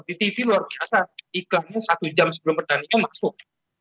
di tv luar biasa ikannya satu jam sebelum pertandingan masuk